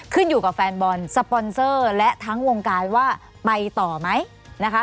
ขึ้นอยู่กับแฟนบอลและทั้งวงการว่าไปต่อไหมนะคะ